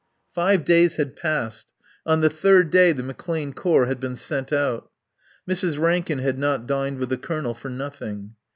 Five days had passed. On the third day the McClane Corps had been sent out. (Mrs. Rankin had not dined with the Colonel for nothing.)